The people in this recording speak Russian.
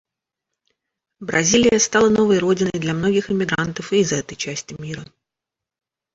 Бразилия стала новой родиной для многих иммигрантов из этой части мира.